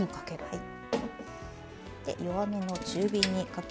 はい。